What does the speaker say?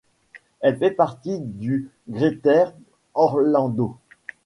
Elle fait partie du Greater Orlando.